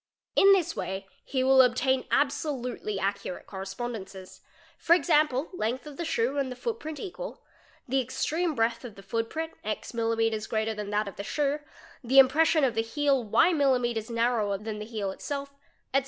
In this way he will obtain : absolutely accurate correspondances ; for example, length of the shoe and 'the footprint equal, the extreme breadth of the footprint « millimetres | greater than that of the shoe; the impression of the heel y millimetres | narrower than the heel itself, etc.